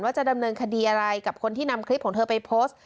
จะดำเนินคดีอะไรกับคนที่นำคลิปของเธอไปโพสต์